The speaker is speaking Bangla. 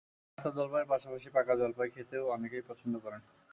কাঁচা জলপাইয়ের পাশাপাশি পাকা জলপাই খেতেও অনেকেই পছন্দ করেন।